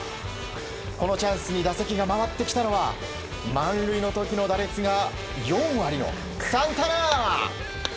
チャンスに打席が回ってきたのは満塁の時の打率が４割のサンタナ。